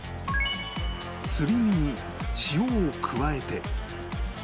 すり身に塩を加えて